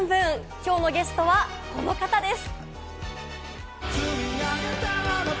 きょうのゲストはこの方です。